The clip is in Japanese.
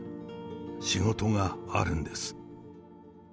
仕事があるんです。